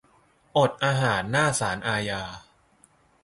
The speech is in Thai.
อดอาหารหน้าศาลอาญา